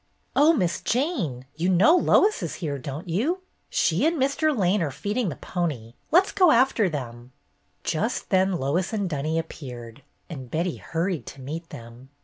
"Oh, Miss Jane, you know Lois is here, don't you ? She and Mr. Lane are feeding the pony. Let 's go after them." Just then Lois and Dunny appeared, and Betty hurried to meet them.